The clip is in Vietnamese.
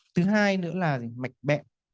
thứ hai nữa là mạch bẹn